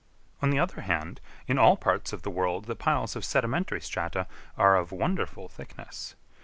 On the other hand, in all parts of the world the piles of sedimentary strata are of wonderful thickness.